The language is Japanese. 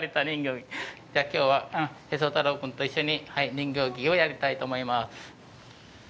今日はへそ太郎君と一緒に人形劇をやりたいと思います。